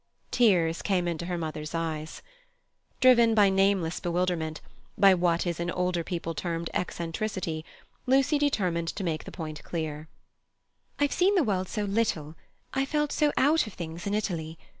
Tears came into her mother's eyes. Driven by nameless bewilderment, by what is in older people termed "eccentricity," Lucy determined to make this point clear. "I've seen the world so little—I felt so out of things in Italy.